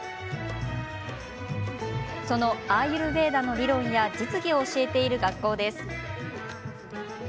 そのアーユルヴェーダの理論や実技を教えている学校です。